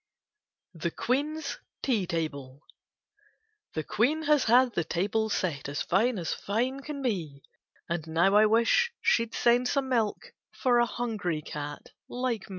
THE QUEEN'S TEA TABLE The Queen has had the table set, As fine as fine can be, And now I wish she 'd send some milk For a hungry eat like me.